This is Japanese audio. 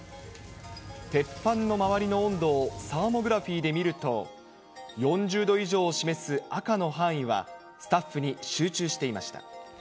鉄板の周りの温度をサーモグラフィーで見ると、４０度以上を示す赤の範囲は、スタッフに集中していました。